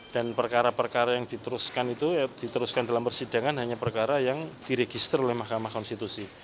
dan perkara perkara yang diteruskan itu diteruskan dalam persidangan hanya perkara yang diregister oleh mahkamah konstitusi